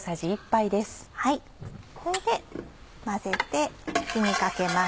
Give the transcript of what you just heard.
これで混ぜて火にかけます。